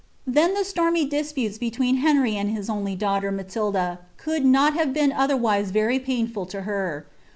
Then the stormy disputes between Henry and hti uiilf tughter Matilda could not hare been oilierwise iliai) very piunfol to her.